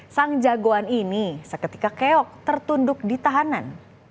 sang jagoan ini seketika keok tertunduk di tahanan